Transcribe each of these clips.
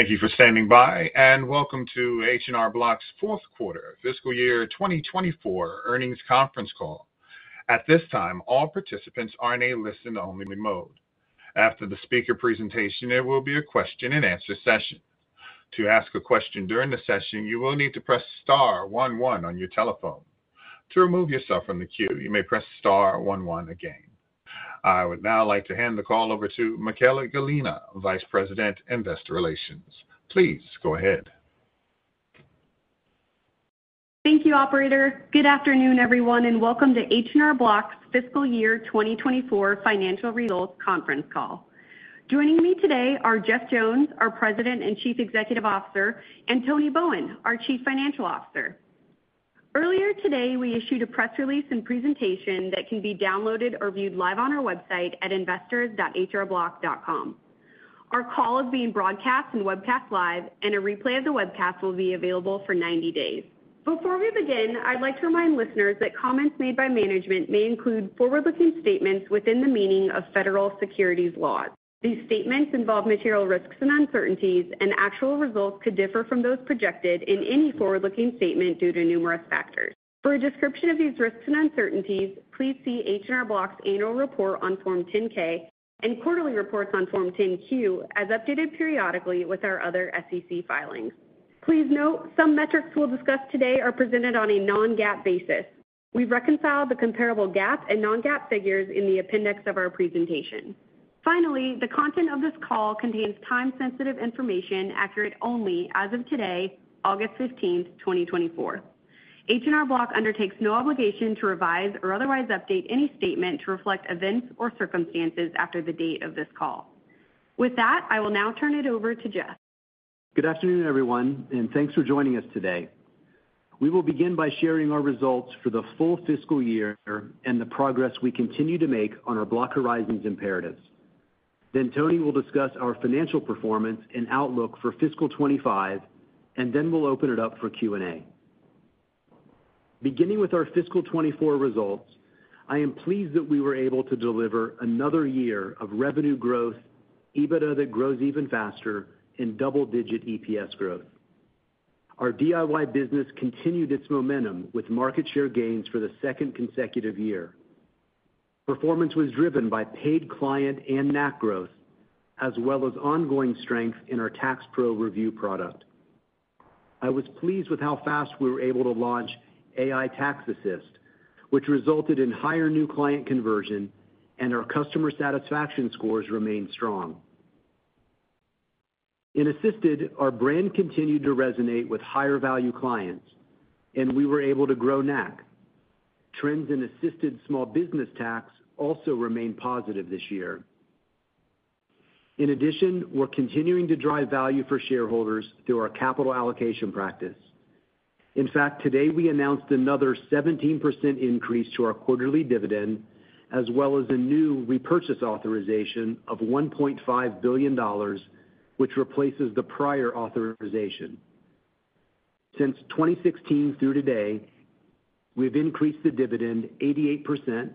Thank you for standing by, and welcome to H&R Block's Fourth Quarter Fiscal Year 2024 Earnings Conference Call. At this time, all participants are in a listen-only mode. After the speaker presentation, there will be a question-and-answer session. To ask a question during the session, you will need to press star one one on your telephone. To remove yourself from the queue, you may press star one one again. I would now like to hand the call over to Michaella Gallina, Vice President, Investor Relations. Please go ahead. Thank you, operator. Good afternoon, everyone, and welcome to H&R Block's fiscal year 2024 financial results conference call. Joining me today are Jeff Jones, our President and Chief Executive Officer, and Tony Bowen, our Chief Financial Officer. Earlier today, we issued a press release and presentation that can be downloaded or viewed live on our website at investors.hrblock.com. Our call is being broadcast and webcast live, and a replay of the webcast will be available for 90 days. Before we begin, I'd like to remind listeners that comments made by management may include forward-looking statements within the meaning of federal securities laws. These statements involve material risks and uncertainties, and actual results could differ from those projected in any forward-looking statement due to numerous factors. For a description of these risks and uncertainties, please see H&R Block's annual report on Form 10-K and quarterly reports on Form 10-Q, as updated periodically with our other SEC filings. Please note, some metrics we'll discuss today are presented on a non-GAAP basis. We've reconciled the comparable GAAP and non-GAAP figures in the appendix of our presentation. Finally, the content of this call contains time-sensitive information, accurate only as of today, August 15, 2024. H&R Block undertakes no obligation to revise or otherwise update any statement to reflect events or circumstances after the date of this call. With that, I will now turn it over to Jeff. Good afternoon, everyone, and thanks for joining us today. We will begin by sharing our results for the full fiscal year and the progress we continue to make on our Block Horizons imperatives. Then Tony will discuss our financial performance and outlook for fiscal 2025, and then we'll open it up for Q&A. Beginning with our fiscal 2024 results, I am pleased that we were able to deliver another year of revenue growth, EBITDA that grows even faster, and double-digit EPS growth. Our DIY business continued its momentum with market share gains for the second consecutive year. Performance was driven by paid client and NAC growth, as well as ongoing strength in our Tax Pro Review product. I was pleased with how fast we were able to launch AI Tax Assist, which resulted in higher new client conversion, and our customer satisfaction scores remained strong. In Assisted, our brand continued to resonate with higher-value clients, and we were able to grow NAC. Trends in Assisted Small Business Tax also remained positive this year. In addition, we're continuing to drive value for shareholders through our capital allocation practice. In fact, today we announced another 17% increase to our quarterly dividend, as well as a new repurchase authorization of $1.5 billion, which replaces the prior authorization. Since 2016 through today, we've increased the dividend 88%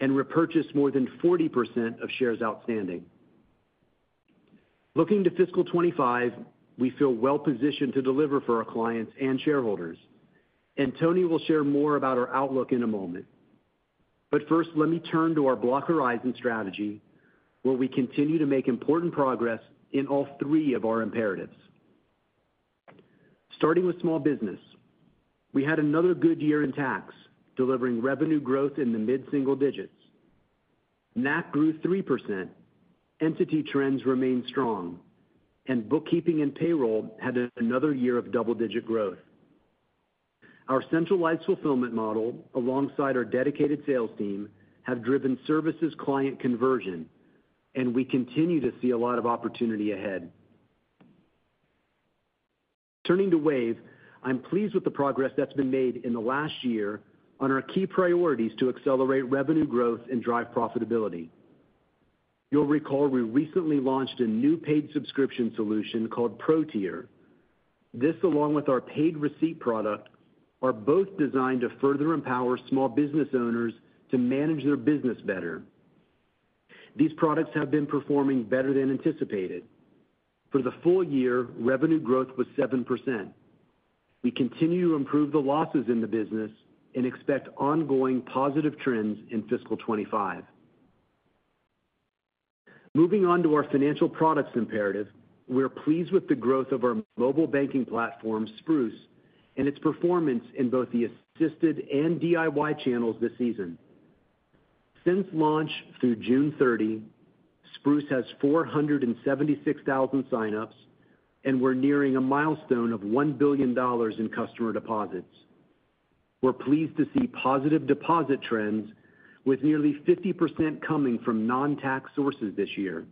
and repurchased more than 40% of shares outstanding. Looking to fiscal 2025, we feel well positioned to deliver for our clients and shareholders, and Tony will share more about our outlook in a moment. But first, let me turn to our Block Horizons strategy, where we continue to make important progress in all three of our imperatives. Starting with Small Business, we had another good year in tax, delivering revenue growth in the mid-single digits. NAC grew 3%, entity trends remained strong, and bookkeeping and payroll had another year of double-digit growth. Our centralized fulfillment model, alongside our dedicated sales team, have driven services-client conversion, and we continue to see a lot of opportunity ahead. Turning to Wave, I'm pleased with the progress that's been made in the last year on our key priorities to accelerate revenue growth and drive profitability. You'll recall, we recently launched a new paid subscription solution called Pro Tier. This, along with our paid receipt product, are both designed to further empower small business owners to manage their business better. These products have been performing better than anticipated. For the full year, revenue growth was 7%. We continue to improve the losses in the business and expect ongoing positive trends in fiscal 2025. Moving on to our Financial Products imperative, we are pleased with the growth of our mobile banking platform, Spruce, and its performance in both the Assisted and DIY channels this season. Since launch, through June 30, Spruce has 476,000 signups, and we're nearing a milestone of $1 billion in customer deposits. We're pleased to see positive deposit trends, with nearly 50% coming from non-tax sources this year.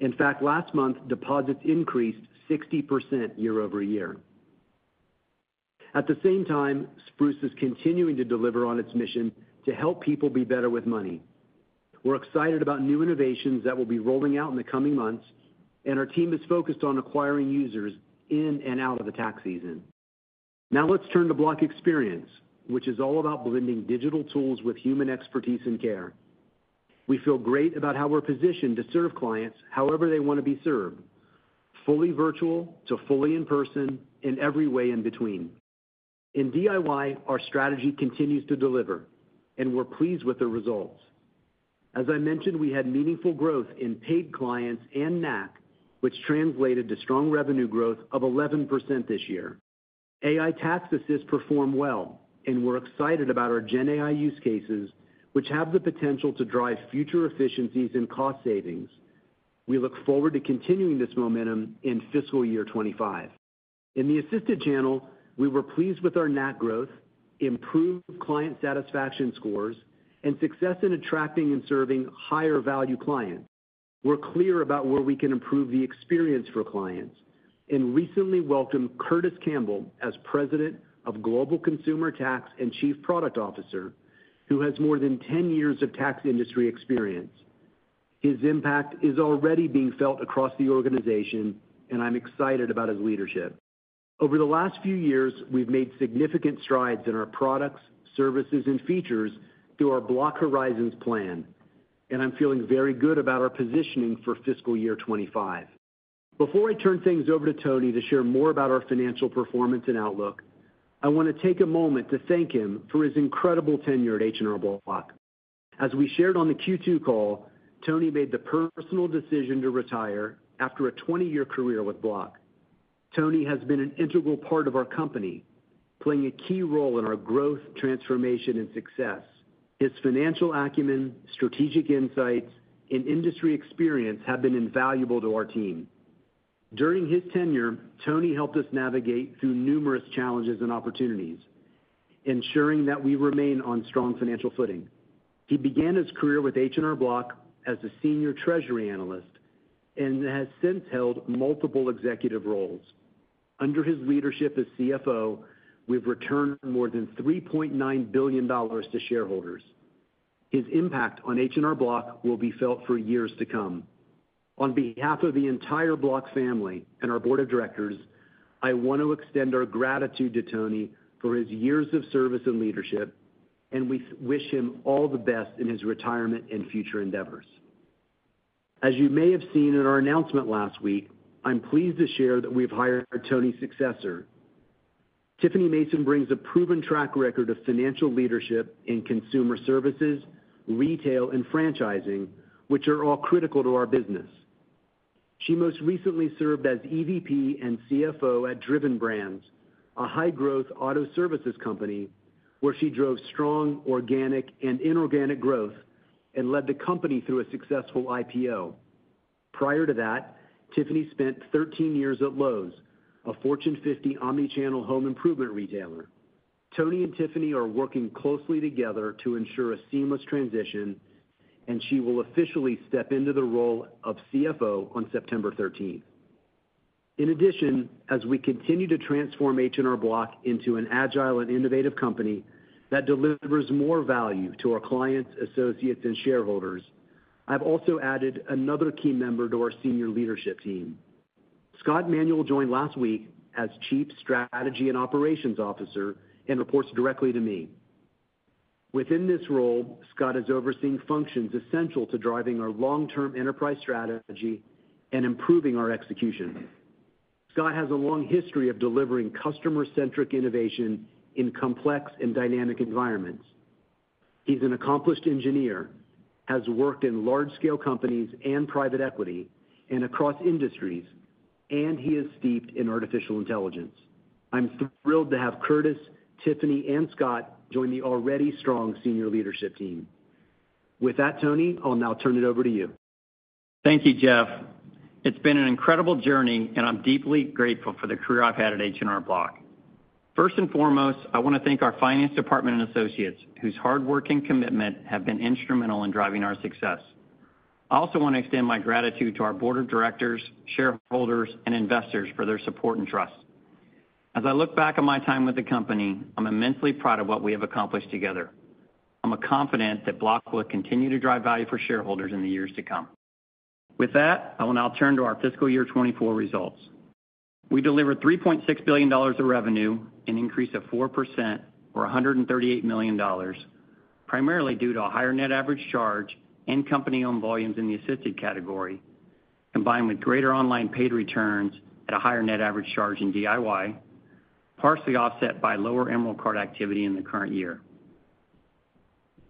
In fact, last month, deposits increased 60% year-over-year. At the same time, Spruce is continuing to deliver on its mission to help people be better with money. We're excited about new innovations that will be rolling out in the coming months, and our team is focused on acquiring users in and out of the tax season. Now let's turn to Block Experience, which is all about blending digital tools with human expertise and care. We feel great about how we're positioned to serve clients however they want to be served, fully virtual to fully in person, in every way in between. In DIY, our strategy continues to deliver, and we're pleased with the results. As I mentioned, we had meaningful growth in paid clients and NAC, which translated to strong revenue growth of 11% this year. AI Tax Assist performed well, and we're excited about our GenAI use cases, which have the potential to drive future efficiencies and cost savings. We look forward to continuing this momentum in fiscal year 25. In the Assisted Channel, we were pleased with our NAC growth, improved client satisfaction scores, and success in attracting and serving higher-value clients. We're clear about where we can improve the experience for clients, and recently welcomed Curtis Campbell as President of Global Consumer Tax and Chief Product Officer, who has more than 10 years of tax industry experience. His impact is already being felt across the organization, and I'm excited about his leadership. Over the last few years, we've made significant strides in our products, services, and features through our Block Horizons plan, and I'm feeling very good about our positioning for fiscal year 2025. Before I turn things over to Tony to share more about our financial performance and outlook, I want to take a moment to thank him for his incredible tenure at H&R Block. As we shared on the Q2 call, Tony made the personal decision to retire after a 20-year career with Block. Tony has been an integral part of our company, playing a key role in our growth, transformation, and success. His financial acumen, strategic insights, and industry experience have been invaluable to our team. During his tenure, Tony helped us navigate through numerous challenges and opportunities, ensuring that we remain on strong financial footing. He began his career with H&R Block as a senior treasury analyst and has since held multiple executive roles. Under his leadership as CFO, we've returned more than $3.9 billion to shareholders. His impact on H&R Block will be felt for years to come. On behalf of the entire Block family and our board of directors, I want to extend our gratitude to Tony for his years of service and leadership, and we wish him all the best in his retirement and future endeavors. As you may have seen in our announcement last week, I'm pleased to share that we've hired Tony's successor. Tiffany Mason brings a proven track record of financial leadership in consumer services, retail, and franchising, which are all critical to our business. She most recently served as EVP and CFO at Driven Brands, a high-growth auto services company, where she drove strong organic and inorganic growth and led the company through a successful IPO. Prior to that, Tiffany spent 13 years at Lowe's, a Fortune 50 omni-channel home improvement retailer. Tony and Tiffany are working closely together to ensure a seamless transition, and she will officially step into the role of CFO on September 13th. In addition, as we continue to transform H&R Block into an agile and innovative company that delivers more value to our clients, associates, and shareholders, I've also added another key member to our senior leadership team. Scott Manuel joined last week as Chief Strategy and Operations Officer and reports directly to me. Within this role, Scott is overseeing functions essential to driving our long-term enterprise strategy and improving our execution. Scott has a long history of delivering customer-centric innovation in complex and dynamic environments. He's an accomplished engineer, has worked in large-scale companies and private equity and across industries, and he is steeped in artificial intelligence. I'm thrilled to have Curtis, Tiffany, and Scott join the already strong senior leadership team. With that, Tony, I'll now turn it over to you. Thank you, Jeff. It's been an incredible journey, and I'm deeply grateful for the career I've had at H&R Block. First and foremost, I want to thank our finance department and associates, whose hard work and commitment have been instrumental in driving our success. I also want to extend my gratitude to our board of directors, shareholders, and investors for their support and trust. As I look back on my time with the company, I'm immensely proud of what we have accomplished together. I'm confident that Block will continue to drive value for shareholders in the years to come. With that, I will now turn to our fiscal year 2024 results. We delivered $3.6 billion of revenue, an increase of 4% or $138 million, primarily due to a higher net average charge and company-owned volumes in the Assisted category, combined with greater online paid returns at a higher net average charge in DIY, partially offset by lower Emerald Card activity in the current year.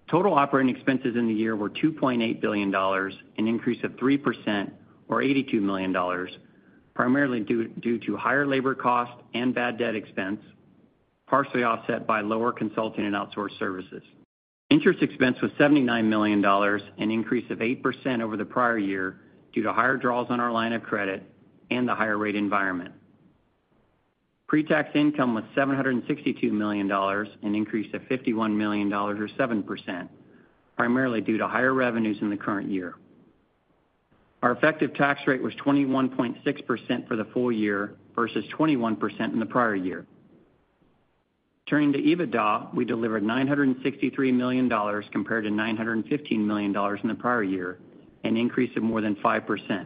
Total operating expenses in the year were $2.8 billion, an increase of 3% or $82 million, primarily due to higher labor costs and bad debt expense, partially offset by lower consulting and outsourced services. Interest expense was $79 million, an increase of 8% over the prior year, due to higher draws on our line of credit and the higher rate environment. Pre-tax income was $762 million, an increase of $51 million or 7%, primarily due to higher revenues in the current year. Our effective tax rate was 21.6% for the full year versus 21% in the prior year. Turning to EBITDA, we delivered $963 million, compared to $915 million in the prior year, an increase of more than 5%.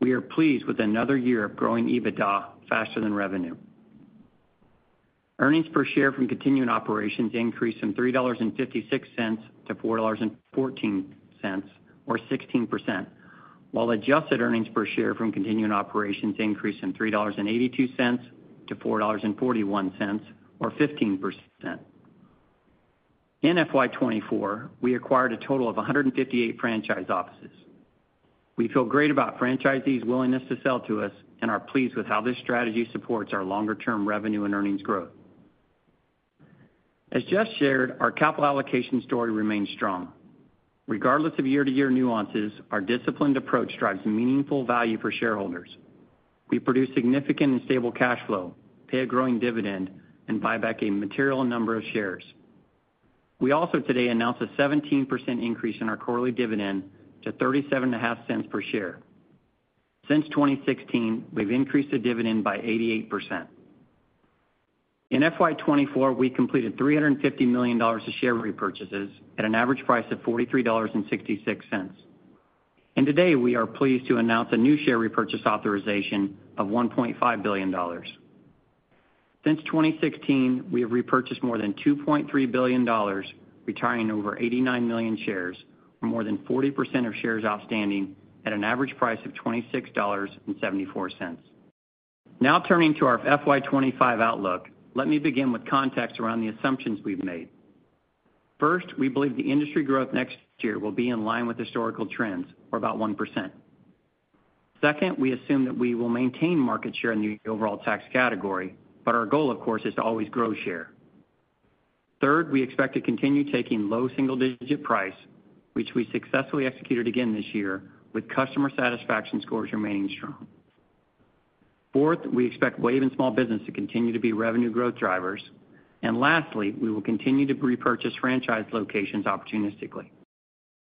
We are pleased with another year of growing EBITDA faster than revenue. Earnings per share from continuing operations increased from $3.56-$4.14, or 16%, while adjusted earnings per share from continuing operations increased from $3.82-$4.41, or 15%. In FY 2024, we acquired a total of 158 franchise offices. We feel great about franchisees' willingness to sell to us and are pleased with how this strategy supports our longer-term revenue and earnings growth. As Jeff shared, our capital allocation story remains strong. Regardless of year-to-year nuances, our disciplined approach drives meaningful value for shareholders. We produce significant and stable cash flow, pay a growing dividend, and buy back a material number of shares. We also today announced a 17% increase in our quarterly dividend to $0.375 per share. Since 2016, we've increased the dividend by 88%. In FY 2024, we completed $350 million of share repurchases at an average price of $43.66. Today, we are pleased to announce a new share repurchase authorization of $1.5 billion. Since 2016, we have repurchased more than $2.3 billion, retiring over 89 million shares, or more than 40% of shares outstanding at an average price of $26.74. Now, turning to our FY 2025 outlook, let me begin with context around the assumptions we've made. First, we believe the industry growth next year will be in line with historical trends, or about 1%. Second, we assume that we will maintain market share in the overall tax category, but our goal, of course, is to always grow share. Third, we expect to continue taking low single-digit price, which we successfully executed again this year, with customer satisfaction scores remaining strong. Fourth, we expect Wave and Small Business to continue to be revenue growth drivers. And lastly, we will continue to repurchase franchise locations opportunistically.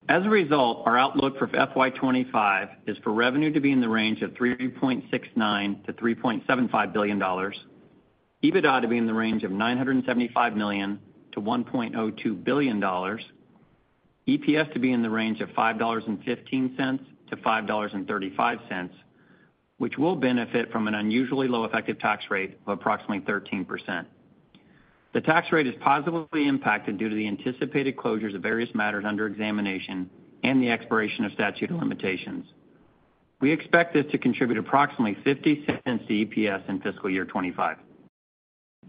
As a result, our outlook for FY 2025 is for revenue to be in the range of $3.69 billion-$3.75 billion, EBITDA to be in the range of $975 million-$1.02 billion, EPS to be in the range of $5.15-$5.35, which will benefit from an unusually low effective tax rate of approximately 13%. The tax rate is positively impacted due to the anticipated closures of various matters under examination and the expiration of statute of limitations. We expect this to contribute approximately $0.50 to EPS in fiscal year 2025.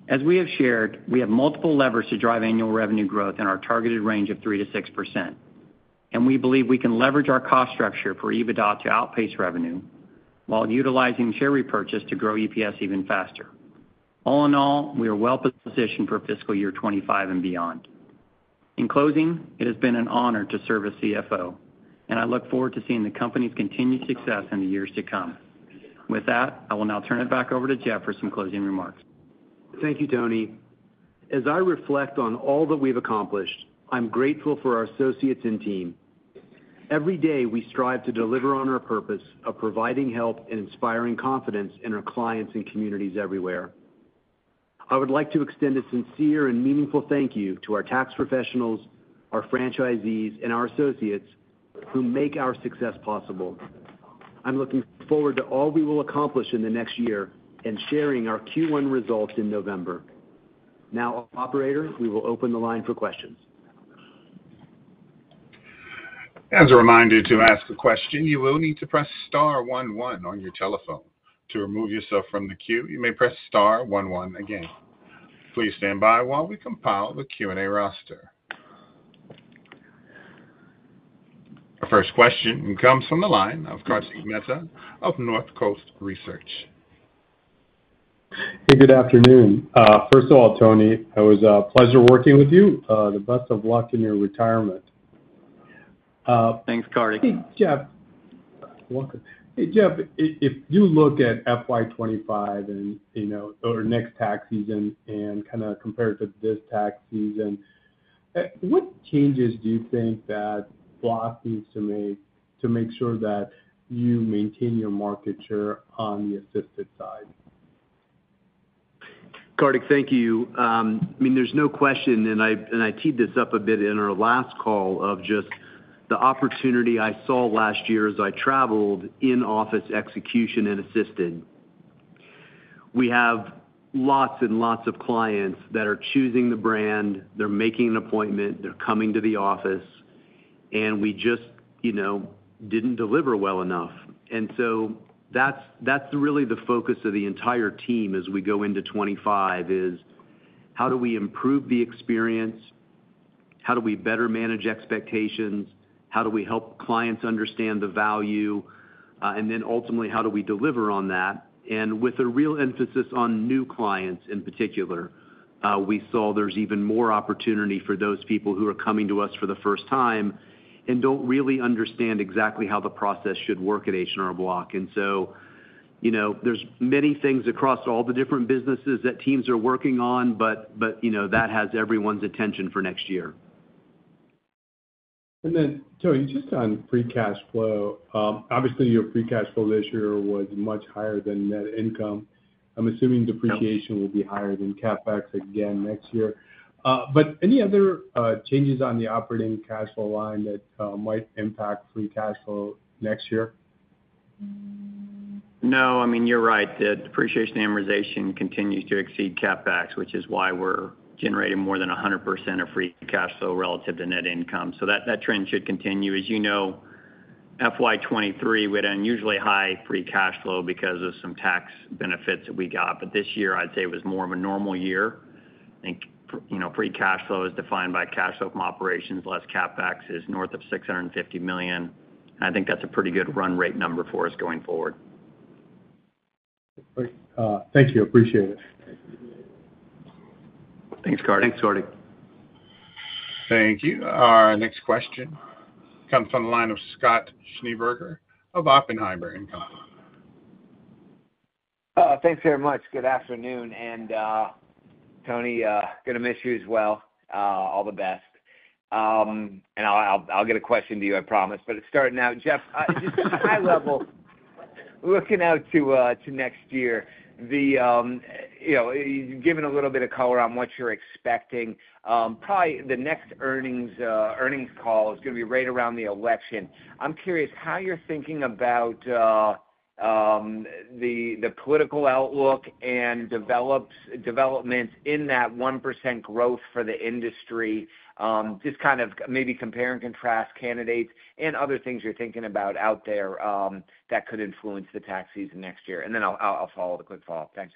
As we have shared, we have multiple levers to drive annual revenue growth in our targeted range of 3%-6%, and we believe we can leverage our cost structure for EBITDA to outpace revenue, while utilizing share repurchase to grow EPS even faster. All in all, we are well positioned for fiscal year 2025 and beyond. In closing, it has been an honor to serve as CFO, and I look forward to seeing the company's continued success in the years to come. With that, I will now turn it back over to Jeff for some closing remarks. Thank you, Tony. As I reflect on all that we've accomplished, I'm grateful for our associates and team. Every day, we strive to deliver on our purpose of providing help and inspiring confidence in our clients and communities everywhere. I would like to extend a sincere and meaningful thank you to our tax professionals, our franchisees, and our associates who make our success possible. I'm looking forward to all we will accomplish in the next year and sharing our Q1 results in November. Now, operator, we will open the line for questions. As a reminder, to ask a question, you will need to press star one, one on your telephone. To remove yourself from the queue, you may press star one, one again. Please stand by while we compile the Q&A roster. Our first question comes from the line of Kartik Mehta of North Coast Research. Hey, good afternoon. First of all, Tony, it was a pleasure working with you. The best of luck in your retirement. Thanks, Kartik. Hey, Jeff, welcome. Hey, Jeff, if you look at FY 2025 and, you know, or next tax season and kind of compare it to this tax season, what changes do you think that Block needs to make to make sure that you maintain your market share on the Assisted side? Kartik, thank you. I mean, there's no question, and I, and I teed this up a bit in our last call, of just the opportunity I saw last year as I traveled in-office execution and Assisted. We have lots and lots of clients that are choosing the brand, they're making an appointment, they're coming to the office, and we just, you know, didn't deliver well enough. And so that's, that's really the focus of the entire team as we go into 2025, is how do we improve the experience? How do we better manage expectations? How do we help clients understand the value? And then ultimately, how do we deliver on that? And with a real emphasis on new clients in particular, we saw there's even more opportunity for those people who are coming to us for the first time and don't really understand exactly how the process should work at H&R Block. And so, you know, there's many things across all the different businesses that teams are working on, but, you know, that has everyone's attention for next year. Tony, just on free cash flow. Obviously, your free cash flow this year was much higher than net income. I'm assuming depreciation will be higher than CapEx again next year. But any other changes on the operating cash flow line that might impact free cash flow next year?... No, I mean, you're right. The depreciation amortization continues to exceed CapEx, which is why we're generating more than 100% of free cash flow relative to net income. So that, that trend should continue. As you know, FY 2023, we had unusually high free cash flow because of some tax benefits that we got, but this year I'd say it was more of a normal year. I think, you know, free cash flow is defined by cash flow from operations, less CapEx is north of $650 million. I think that's a pretty good run rate number for us going forward. Great. Thank you. Appreciate it. Thanks, Kartik. Thanks, Kartik. Thank you. Our next question comes from the line of Scott Schneeberger of Oppenheimer & Co. Thanks very much. Good afternoon, and Tony, gonna miss you as well. All the best. I'll get a question to you, I promise. But starting out, Jeff, just at a high level, looking out to next year, you know, giving a little bit of color on what you're expecting, probably the next earnings call is gonna be right around the election. I'm curious how you're thinking about the political outlook and developments in that 1% growth for the industry. Just kind of maybe compare and contrast candidates and other things you're thinking about out there that could influence the tax season next year, and then I'll follow with a quick follow-up. Thanks.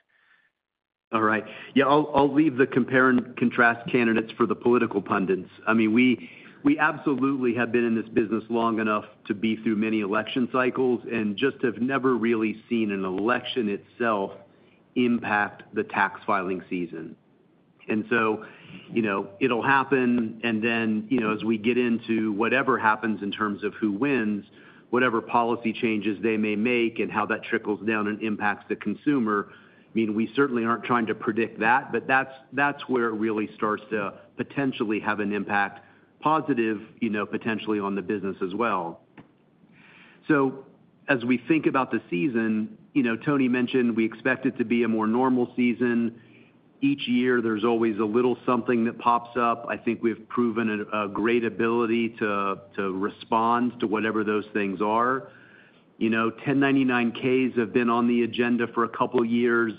All right. Yeah, I'll leave the compare and contrast candidates for the political pundits. I mean, we absolutely have been in this business long enough to be through many election cycles and just have never really seen an election itself impact the tax filing season. And so, you know, it'll happen, and then, you know, as we get into whatever happens in terms of who wins, whatever policy changes they may make and how that trickles down and impacts the consumer, I mean, we certainly aren't trying to predict that, but that's where it really starts to potentially have an impact, positive, you know, potentially on the business as well. So as we think about the season, you know, Tony mentioned we expect it to be a more normal season. Each year, there's always a little something that pops up. I think we've proven a great ability to respond to whatever those things are. You know, 1099-Ks have been on the agenda for a couple of years.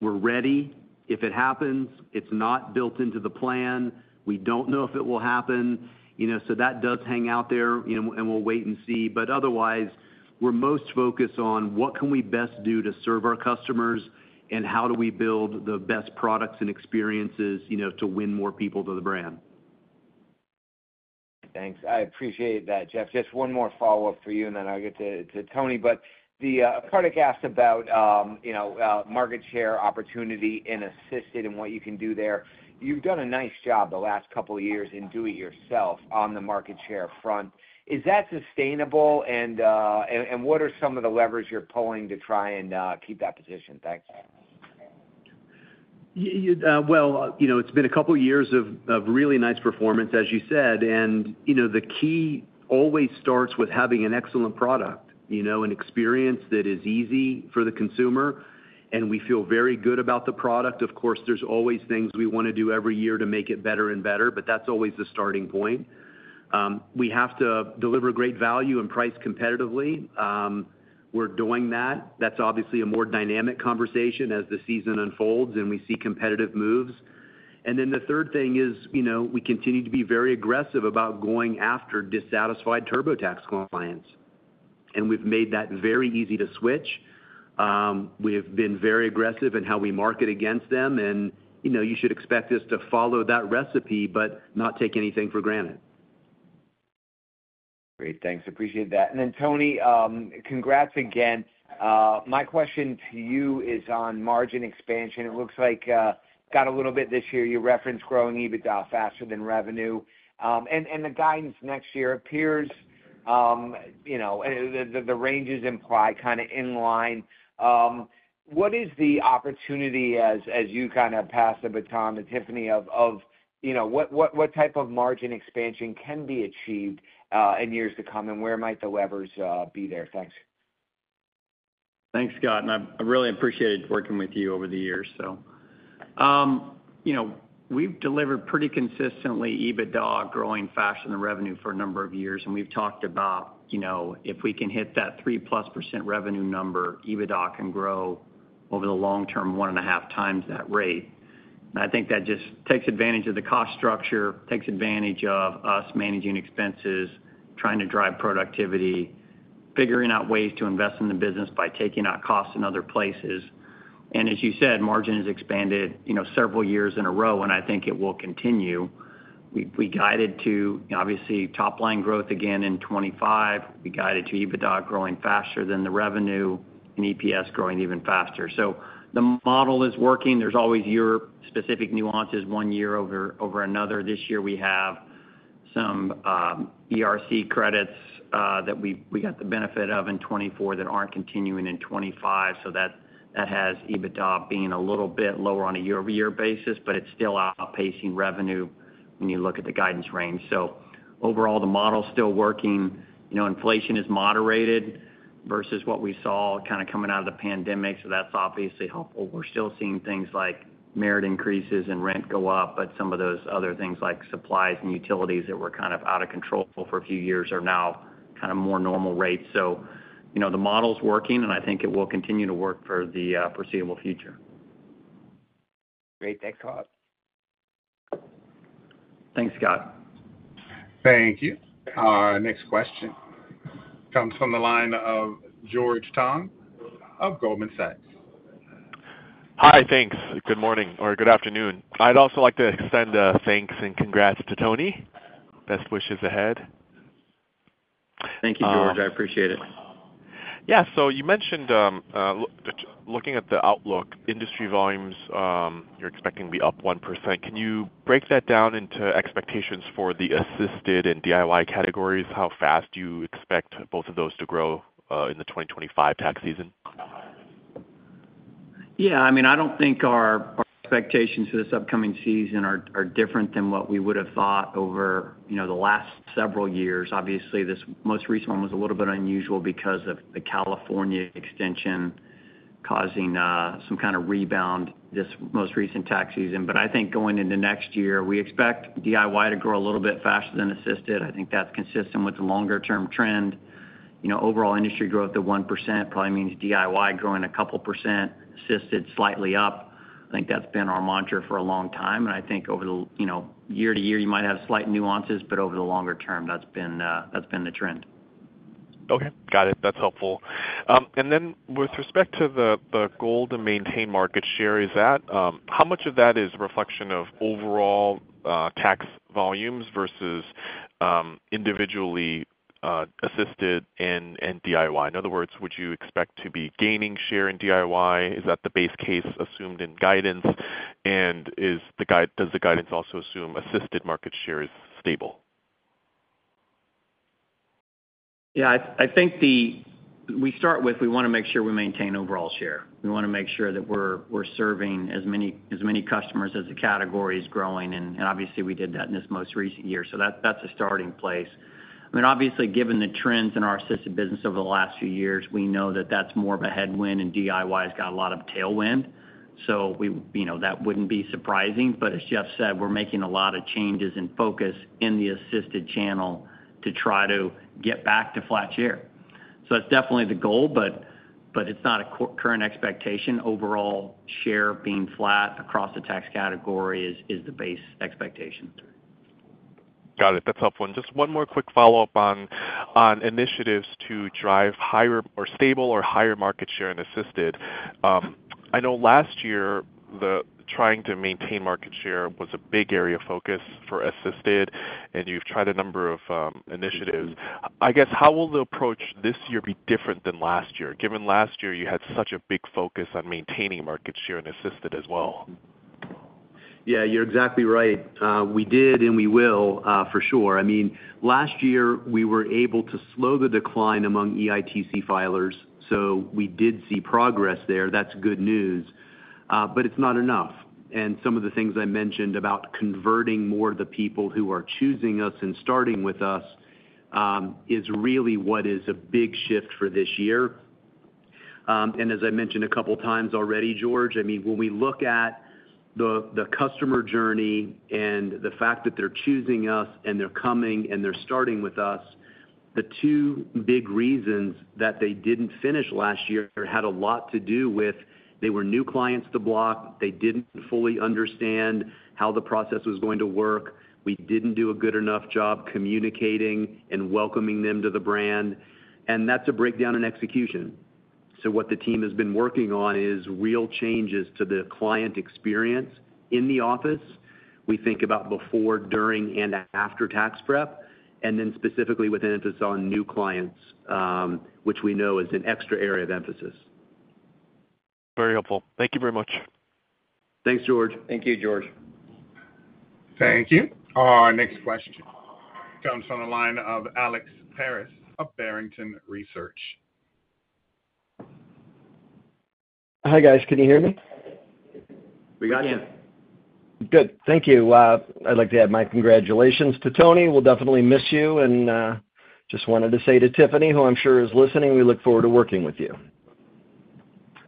We're ready. If it happens, it's not built into the plan. We don't know if it will happen, you know, so that does hang out there, you know, and we'll wait and see. But otherwise, we're most focused on what can we best do to serve our customers, and how do we build the best products and experiences, you know, to win more people to the brand. Thanks. I appreciate that, Jeff. Just one more follow-up for you, and then I'll get to Tony. But Kartik asked about, you know, market share opportunity in Assisted and what you can do there. You've done a nice job the last couple of years in do-it-yourself on the market share front. Is that sustainable, and what are some of the levers you're pulling to try and keep that position? Thanks. Yeah, well, you know, it's been a couple of years of really nice performance, as you said, and, you know, the key always starts with having an excellent product, you know, an experience that is easy for the consumer, and we feel very good about the product. Of course, there's always things we want to do every year to make it better and better, but that's always the starting point. We have to deliver great value and price competitively. We're doing that. That's obviously a more dynamic conversation as the season unfolds, and we see competitive moves. And then the third thing is, you know, we continue to be very aggressive about going after dissatisfied TurboTax clients, and we've made that very easy to switch. We have been very aggressive in how we market against them, and, you know, you should expect us to follow that recipe, but not take anything for granted. Great. Thanks. Appreciate that. And then, Tony, congrats again. My question to you is on margin expansion. It looks like, got a little bit this year. You referenced growing EBITDA faster than revenue. And the guidance next year appears, you know, the ranges imply kind of in line. What is the opportunity as you kind of pass the baton to Tiffany of, you know, what type of margin expansion can be achieved, in years to come, and where might the levers be there? Thanks. Thanks, Scott, and I really appreciated working with you over the years, so, you know, we've delivered pretty consistently EBITDA, growing faster than revenue for a number of years, and we've talked about, you know, if we can hit that 3%+ revenue number, EBITDA can grow over the long term, one and a half times that rate. I think that just takes advantage of the cost structure, takes advantage of us managing expenses, trying to drive productivity, figuring out ways to invest in the business by taking out costs in other places. As you said, margin has expanded, you know, several years in a row, and I think it will continue. We guided to, obviously, top-line growth again in 2025. We guided to EBITDA growing faster than the revenue and EPS growing even faster. So the model is working. There's always your specific nuances one year over, over another. This year we have some, ERC credits, that we, we got the benefit of in 2024 that aren't continuing in 2025, so that, that has EBITDA being a little bit lower on a year-over-year basis, but it's still outpacing revenue when you look at the guidance range. So overall, the model's still working. You know, inflation is moderated versus what we saw kind of coming out of the pandemic, so that's obviously helpful. We're still seeing things like merit increases and rent go up, but some of those other things, like supplies and utilities that were kind of out of control for a few years, are now kind of more normal rates. So, you know, the model's working, and I think it will continue to work for the, foreseeable future. Great, thanks, Scott. Thanks, Scott. Thank you. Our next question comes from the line of George Tong of Goldman Sachs. Hi, thanks. Good morning or good afternoon. I'd also like to extend a thanks and congrats to Tony. Best wishes ahead. Thank you, George. I appreciate it. Yeah. So you mentioned, looking at the outlook, industry volumes, you're expecting to be up 1%. Can you break that down into expectations for the Assisted and DIY categories? How fast do you expect both of those to grow, in the 2025 tax season? Yeah, I mean, I don't think our expectations for this upcoming season are different than what we would have thought over, you know, the last several years. Obviously, this most recent one was a little bit unusual because of the California extension causing some kind of rebound this most recent tax season. But I think going into next year, we expect DIY to grow a little bit faster than Assisted. I think that's consistent with the longer-term trend. You know, overall industry growth of 1% probably means DIY growing a couple%, Assisted slightly up. I think that's been our mantra for a long time, and I think over the, you know, year-to-year, you might have slight nuances, but over the longer term, that's been the trend. Okay, got it. That's helpful. And then with respect to the goal to maintain market share, is that how much of that is a reflection of overall tax volumes versus individually Assisted and DIY? In other words, would you expect to be gaining share in DIY? Is that the base case assumed in guidance? And does the guidance also assume Assisted market share is stable? Yeah, I think we start with, we wanna make sure we maintain overall share. We wanna make sure that we're serving as many customers as the category is growing, and obviously, we did that in this most recent year. So that's a starting place. I mean, obviously, given the trends in our Assisted business over the last few years, we know that that's more of a headwind, and DIY has got a lot of tailwind, so you know, that wouldn't be surprising. But as Jeff said, we're making a lot of changes and focus in the Assisted Channel to try to get back to flat share. So that's definitely the goal, but it's not a current expectation. Overall share being flat across the tax category is the base expectation. Got it. That's helpful. And just one more quick follow-up on initiatives to drive higher or stable or higher market share in Assisted. I know last year, the trying to maintain market share was a big area of focus for Assisted, and you've tried a number of initiatives. I guess, how will the approach this year be different than last year, given last year you had such a big focus on maintaining market share and Assisted as well? Yeah, you're exactly right. We did, and we will, for sure. I mean, last year, we were able to slow the decline among EITC filers, so we did see progress there. That's good news, but it's not enough. And some of the things I mentioned about converting more of the people who are choosing us and starting with us, is really what is a big shift for this year. And as I mentioned a couple of times already, George, I mean, when we look at the customer journey and the fact that they're choosing us and they're coming and they're starting with us, the two big reasons that they didn't finish last year had a lot to do with they were new clients to Block. They didn't fully understand how the process was going to work. We didn't do a good enough job communicating and welcoming them to the brand, and that's a breakdown in execution. What the team has been working on is real changes to the client experience in the office. We think about before, during, and after tax prep, and then specifically with an emphasis on new clients, which we know is an extra area of emphasis. Very helpful. Thank you very much. Thanks, George. Thank you, George. Thank you. Our next question comes from the line of Alex Paris of Barrington Research. Hi, guys. Can you hear me? We got you. Good. Thank you. I'd like to add my congratulations to Tony. We'll definitely miss you, and just wanted to say to Tiffany, who I'm sure is listening, we look forward to working with you.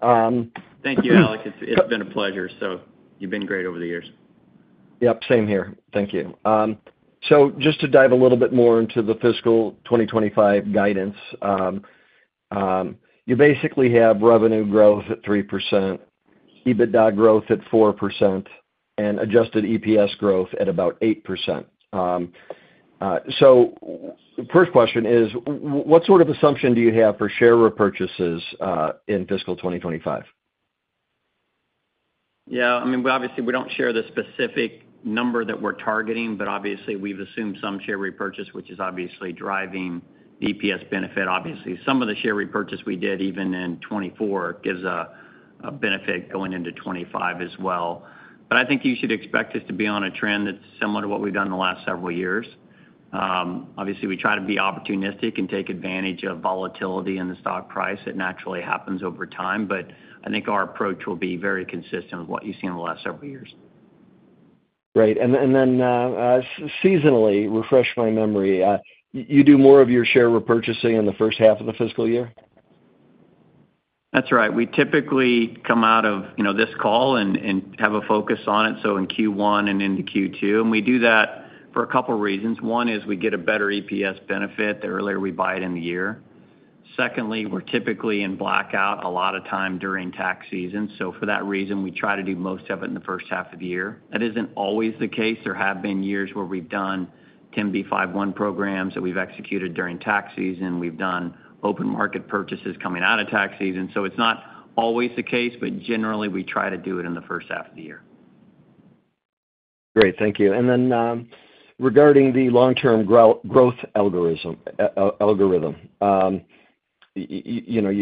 Thank you, Alex. It's been a pleasure, so you've been great over the years. Yep, same here. Thank you. So just to dive a little bit more into the fiscal 2025 guidance, you basically have revenue growth at 3%, EBITDA growth at 4%, and adjusted EPS growth at about 8%. So the first question is: what sort of assumption do you have for share repurchases in fiscal 2025? Yeah, I mean, obviously, we don't share the specific number that we're targeting, but obviously, we've assumed some share repurchase, which is obviously driving the EPS benefit. Obviously, some of the share repurchase we did even in 2024 gives a benefit going into 2025 as well. But I think you should expect us to be on a trend that's similar to what we've done in the last several years. Obviously, we try to be opportunistic and take advantage of volatility in the stock price. It naturally happens over time, but I think our approach will be very consistent with what you've seen in the last several years. Great. And then, seasonally, refresh my memory, you do more of your share repurchasing in the first half of the fiscal year? That's right. We typically come out of, you know, this call and, and have a focus on it, so in Q1 and into Q2, and we do that for a couple reasons. One is we get a better EPS benefit the earlier we buy it in the year.... Secondly, we're typically in blackout a lot of time during tax season. So for that reason, we try to do most of it in the first half of the year. That isn't always the case. There have been years where we've done 10b5-1 programs that we've executed during tax season. We've done open market purchases coming out of tax season. So it's not always the case, but generally, we try to do it in the first half of the year. Great, thank you. And then, regarding the long-term growth algorithm, you know,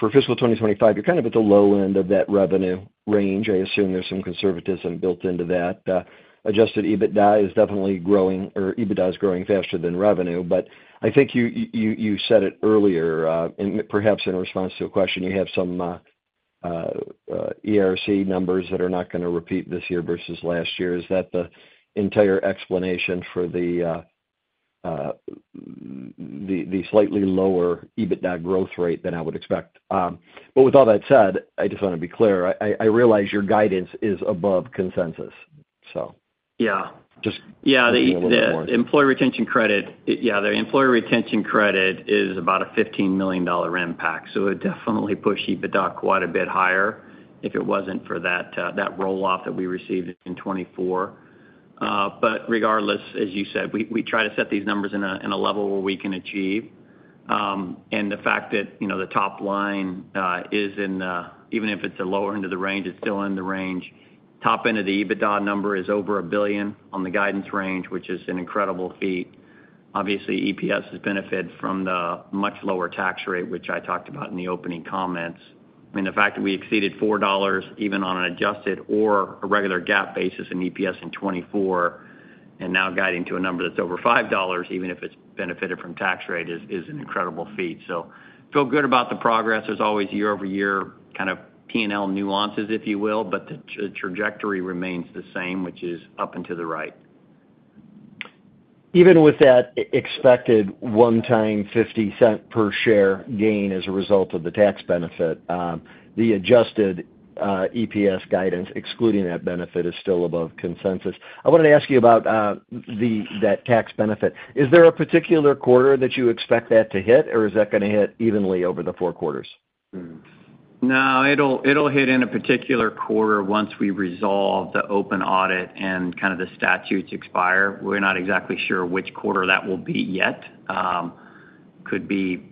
for fiscal 2025, you're kind of at the low end of that revenue range. I assume there's some conservatism built into that. Adjusted EBITDA is definitely growing, or EBITDA is growing faster than revenue. But I think you said it earlier, and perhaps in response to a question, you have some ERC numbers that are not gonna repeat this year versus last year. Is that the entire explanation for the slightly lower EBITDA growth rate than I would expect? But with all that said, I just wanna be clear, I realize your guidance is above consensus, so- Yeah. Just- Yeah, the- A little more. The Employee Retention Credit, yeah, the Employee Retention Credit is about a $15 million impact, so it definitely pushed EBITDA quite a bit higher if it wasn't for that, that roll-off that we received in 2024. But regardless, as you said, we, we try to set these numbers in a, in a level where we can achieve. And the fact that, you know, the top line is in the, even if it's the lower end of the range, it's still in the range. Top end of the EBITDA number is over $1 billion on the guidance range, which is an incredible feat. Obviously, EPS has benefited from the much lower tax rate, which I talked about in the opening comments. I mean, the fact that we exceeded $4, even on an adjusted or a regular GAAP basis in EPS in 2024, and now guiding to a number that's over $5, even if it's benefited from tax rate, is, is an incredible feat. So feel good about the progress. There's always year-over-year kind of P&L nuances, if you will, but the trajectory remains the same, which is up and to the right. Even with that expected one-time $0.50 per share gain as a result of the tax benefit, the adjusted EPS guidance, excluding that benefit, is still above consensus. I wanted to ask you about that tax benefit. Is there a particular quarter that you expect that to hit, or is that gonna hit evenly over the four quarters? Hmm. No, it'll, it'll hit in a particular quarter once we resolve the open audit and kind of the statutes expire. We're not exactly sure which quarter that will be yet. Could be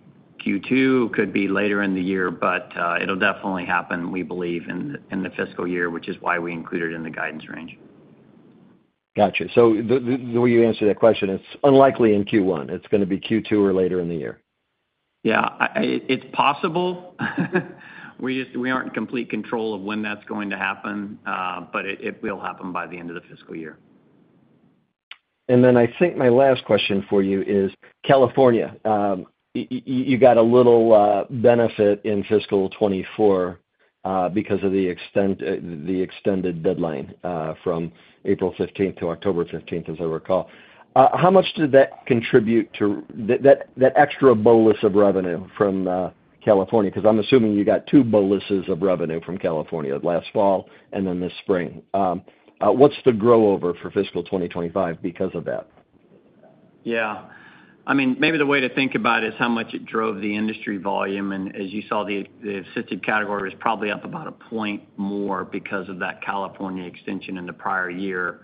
Q2, could be later in the year, but, it'll definitely happen, we believe, in, in the fiscal year, which is why we include it in the guidance range. Gotcha. So the way you answered that question, it's unlikely in Q1. It's gonna be Q2 or later in the year? Yeah, it's possible. We just aren't in complete control of when that's going to happen, but it will happen by the end of the fiscal year. Then I think my last question for you is California. You got a little benefit in fiscal 2024 because of the extension, the extended deadline from April 15 to October 15, as I recall. How much did that contribute to... That, that, that extra bolus of revenue from California? Because I'm assuming you got two boluses of revenue from California, last fall and then this spring. What's the growth over for fiscal 2025 because of that? Yeah. I mean, maybe the way to think about it is how much it drove the industry volume, and as you saw, the Assisted category was probably up about a point more because of that California extension in the prior year.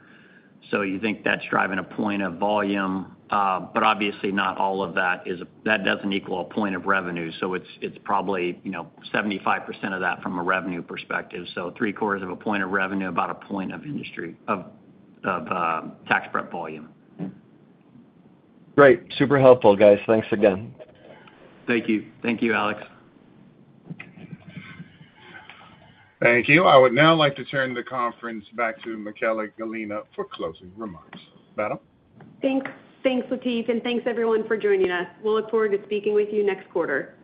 So you think that's driving a point of volume, but obviously not all of that is, that doesn't equal a point of revenue, so it's probably, you know, 75% of that from a revenue perspective. So three-quarters of a point of revenue, about a point of industry tax prep volume. Great. Super helpful, guys. Thanks again. Thank you. Thank you, Alex. Thank you. I would now like to turn the conference back to Michaella Gallina for closing remarks. Madam? Thanks. Thanks, Latif, and thanks, everyone, for joining us. We'll look forward to speaking with you next quarter.